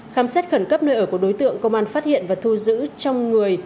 khám xét khẩn cấp nơi ở của đối tượng công an phát hiện và thu giữ trong người